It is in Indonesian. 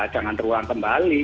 jangan terulang kembali